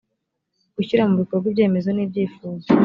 gushyira mu bikorwa ibyemezo n ibyifuzo